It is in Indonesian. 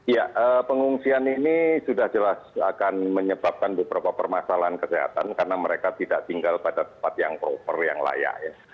ya pengungsian ini sudah jelas akan menyebabkan beberapa permasalahan kesehatan karena mereka tidak tinggal pada tempat yang proper yang layak